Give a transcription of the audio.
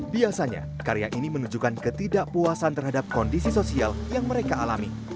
biasanya karya ini menunjukkan ketidakpuasan terhadap kondisi sosial yang mereka alami